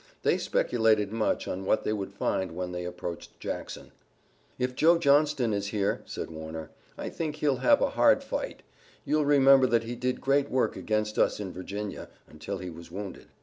They speculated much on what they would find when they approached Jackson. "If Joe Johnston is there," said Warner, "I think we'll have a hard fight. You'll remember that he did great work against us in Virginia, until he was wounded."